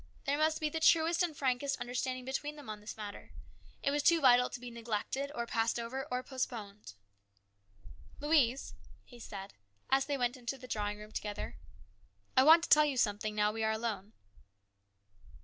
There must be the truest and frankest understanding between them on this matter. It was too vital to be neglected or passed over or postponed. " Louise/' he said as they went into the drawing room together, " I want to tell you something, now we are alone."